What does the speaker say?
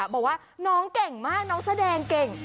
บอกว่าน้องเก่งมากน้องแสดงเก่ง